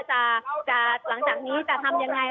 ว่าหลังจากนี้จะทำอย่างไร